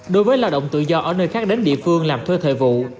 đối với lao động tự do ở nơi khác đến địa phương làm thuê thời vụ